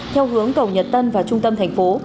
theo hướng cầu nhật tân và trung tâm thành phố